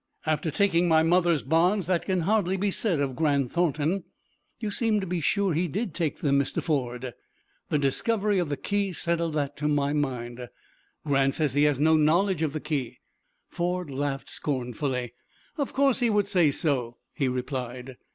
"After taking my mother's bonds, that can hardly be said of Grant Thornton." "You seem to be sure he did take them, Mr. Ford." "The discovery of the key settled that to my mind." "Grant says he has no knowledge of the key." Ford laughed scornfully. "Of course he would say so," he replied.